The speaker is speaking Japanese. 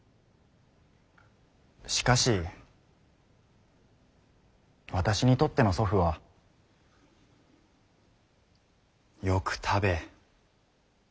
しかし私にとっての祖父はよく食べ